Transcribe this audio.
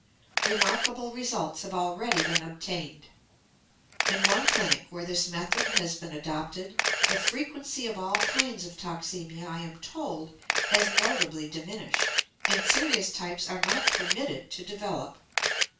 Remarkable results have already been obtained. In one clinic where this method has been adopted the frequency of all kinds of toxemia, I am told, has notably diminished, and serious types are not permitted to develop.